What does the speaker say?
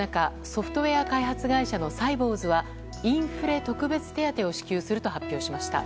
ソフトウェア開発会社のサイボウズはインフレ特別手当を支給すると発表しました。